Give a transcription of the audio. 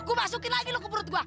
gua masukin lagi lu ke perut gua